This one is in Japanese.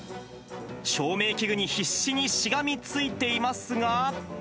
照明器具に必死にしがみついていますが。